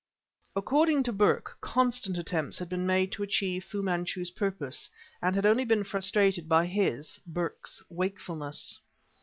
According to Burke, constant attempts had been made to achieve Fu Manchu's purpose, and had only been frustrated by his (Burke's) wakefulness.